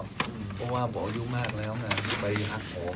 เพราะว่าผมจุดบ้างแล้วหนะไปฮักโหไม่ได้หรอกเหรอ